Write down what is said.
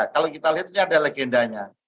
kalau kita lihat ini ada legendanya